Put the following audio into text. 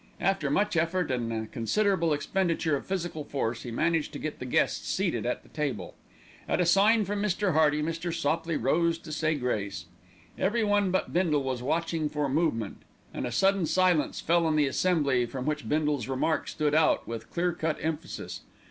After much effort and a considerable expenditure of physical force, he managed to get the guests seated at the table. At a sign from Mr. Hearty, Mr. Sopley rose to say grace. Every one but Bindle was watching for the movement, and a sudden silence fell on the assembly from which Bindle's remark stood out with clear cut emphasis.